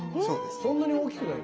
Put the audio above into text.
そんなに大きくない。